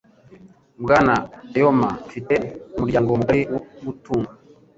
Bwana Aoyama afite umuryango mugari wo gutunga.